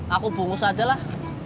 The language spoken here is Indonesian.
aku bungkus aja lah